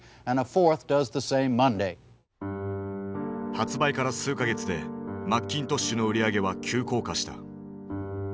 発売から数か月でマッキントッシュの売り上げは急降下した。